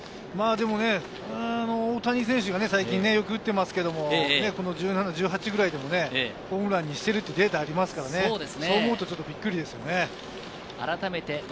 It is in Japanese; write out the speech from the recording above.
大谷選手が最近よく打っていますけど、１７、１８くらいでもホームランにしているというデータもありますからね、そう思うと、ちょっとびっくりですね。